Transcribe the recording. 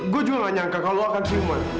gua juga gak nyangka kalau lu akan ciuman